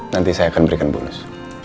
nanti saya akan berikan bonus